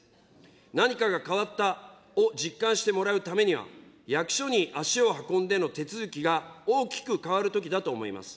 何かが変わったを実感してもらうためには、役所に足を運んでの手続きが大きく変わるときだと思います。